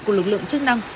của lực lượng chức năng